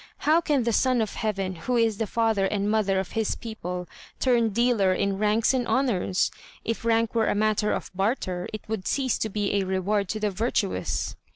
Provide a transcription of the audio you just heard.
How can the Son of Heaven, who is the father and mother of his people, turn dealer in ranks and honours? If rank were a matter of barter, it would cease to be a reward to the virtuous."